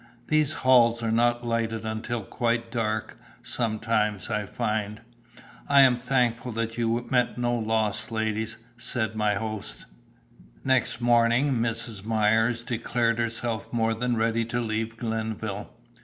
These halls are not lighted until quite dark, sometimes, I find. I am thankful that you met with no loss, ladies," said mine host. Next morning Mrs. Myers declared herself more than ready to leave Glenville.